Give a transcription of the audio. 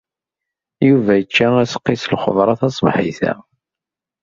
Yuba yečča aseqqi s lxeḍra taṣebḥit-a.